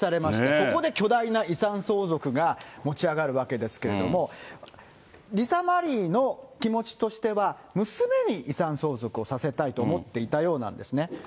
ここで巨大な遺産相続が持ち上がるわけですけれども、リサ・マリーの気持ちとしては、娘に遺産相続をさせたいと思っていたようなんですね。